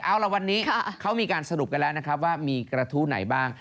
เอาละวันนี้เขามีการสรุปกันแล้วนะครับว่ามีกระทู้ไหนบ้าง